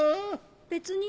別に。